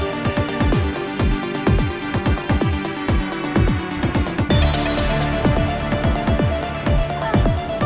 ini immer pengang médi